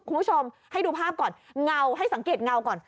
คุณผู้ชมให้ดูภาพก่อนเงาให้สังเกตเงาก่อน